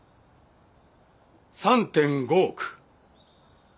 ３．５億。